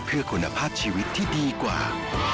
เพื่อคุณภาพชีวิตที่ดีกว่า